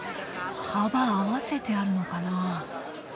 幅合わせてあるのかな。